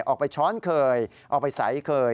ออกไปช้อนเคยออกไปใสเคย